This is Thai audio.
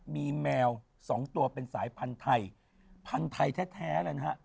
มีแมวสองตัวเป็นสายพันธุ์ไทยพันธุ์ไทยแท้เลยนะฮะ